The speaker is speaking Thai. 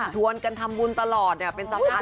ชวนกันทำบุญตลอดเป็นสัมภาษณ์